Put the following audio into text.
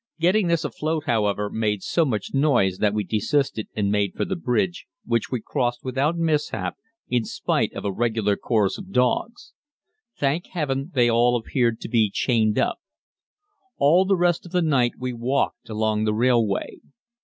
Getting this afloat, however, made so much noise that we desisted and made for the bridge, which we crossed without mishap in spite of a regular chorus of dogs. Thank Heaven, they appeared to be all chained up. All the rest of the night we walked along the railway.